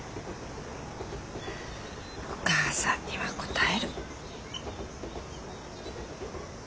お母さんにはこたえる。